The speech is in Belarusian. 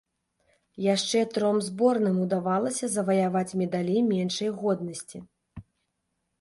Яшчэ тром зборным удавалася заваяваць медалі меншай годнасці.